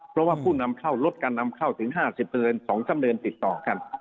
เพราะว่าผู้นำเข้าลดการนำเข้าถึง๕๐๒๓เดือนติดต่อกัน